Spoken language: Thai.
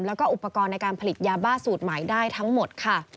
และอุปกรณ์ในการผลิตยาบ้าสูตรหมายได้ทั้งหมด